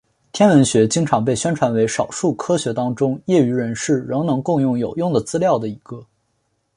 天文学经常被宣传为少数科学当中业余人士仍能贡献有用的资料的一个。